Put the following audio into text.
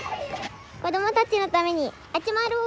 子どもたちのために集まろう！